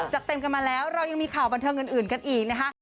เต็มกันมาแล้วเรายังมีข่าวบันเทิงอื่นกันอีกนะคะ